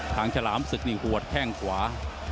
ฉลามศึกนี่หัวแข้งขวา